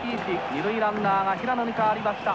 二塁ランナーが平野に代わりました。